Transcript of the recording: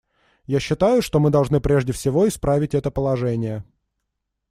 Я считаю, что мы должны прежде всего исправить это положение.